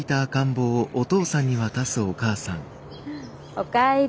お帰り。